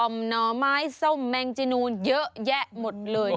หน่อไม้ส้มแมงจีนูนเยอะแยะหมดเลย